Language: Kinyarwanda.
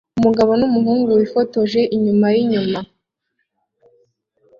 Umugabo numuhungu wifotoje inyuma yinyuma